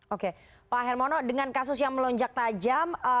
oke pak hermono dengan kasus yang melonjak tajam